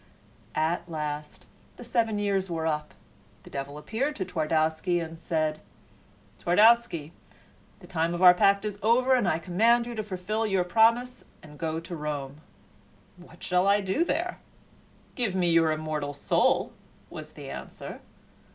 At last the seven years were up. The devil appeared to Twardowski and said: "Twardowski, the time of our pact is over, and I command you to fulfill your promise and go to Rome." "What shall I do there?" "Give me your immortal soul," was the answer.